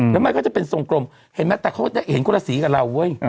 แล้วมันก็จะเป็นทรงกลมเห็นไหมแต่เขาเห็นคนละสีกับเราเว้ย